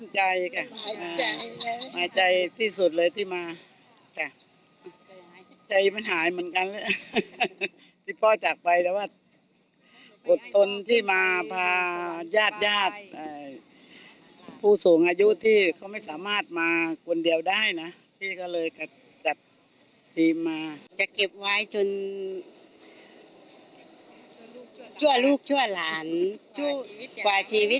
จนชั่วลูกชั่วหลานกว่าชีวิตจะหาไหมค่ะ